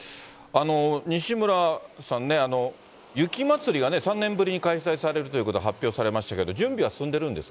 西村さん、雪まつりが３年ぶりに開催されるということが発表されましたけれども、準備は進んでいるんですか。